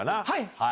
はい。